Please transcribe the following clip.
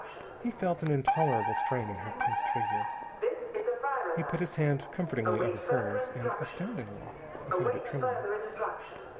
He felt an intolerable strain in her tensed figure. He put his hand comfortingly over hers. And, astoundingly, he found it trembling.